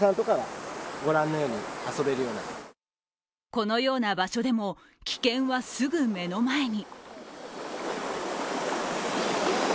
このような場所でも、危険はすぐ目の前に。